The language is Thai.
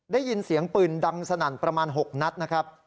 ได้ยินเสียงปืนดังสนั่นประมาณ๖นัดนะครับ